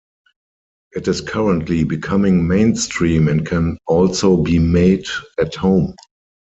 It is currently becoming mainstream and can also be made at home.